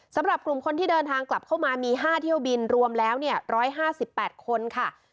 สำหรับกลุ่มคนที่เดินทางกลับเข้ามามี๕เที่ยวบินรวมแล้ว๑๕๘คนค่ะ